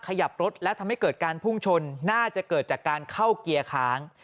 ขยับรถและทำให้เกิดการพุ่งชนน่าจะเกิดจากการเข้าเกียร์ค้าง